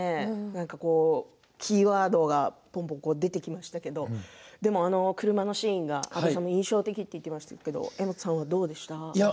何かキーワードがどんどん出てきましたけどでも車のシーンが阿部さんも印象的といってましたが柄本さんはどうでしたか？